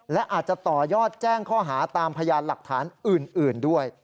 และอาจจะต่อยอดแจ้งข้อหาตามพยานหลักฐานอื่นด้วย